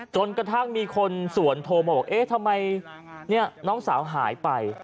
จนกระทั่งมีคนส่วนโทรมาบอกเอ๊ะทำไมน้องสาวหายไป